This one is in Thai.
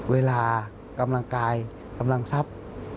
เวลากำลังกายกำลังทรัพย์